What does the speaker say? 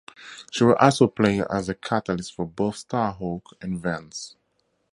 She would also play as a catalyst for both Starhawk and Vance.